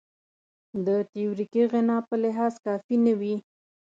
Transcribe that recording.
د تیوریکي غنا په لحاظ کافي نه وي.